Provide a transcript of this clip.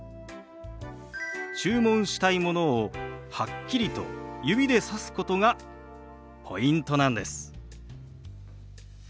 注文したいものをはっきりと指でさすことがポイントなんです。